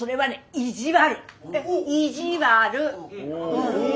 意地悪。